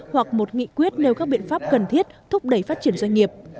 hoặc một nghị quyết nếu các biện pháp cần thiết thúc đẩy phát triển doanh nghiệp